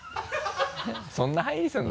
そんな入りするの？